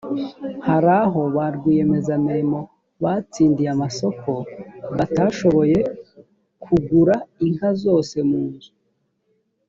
hari aho ba rwiyemezamirimo batsindiye amasoko batashoboye kugura inka zose munzu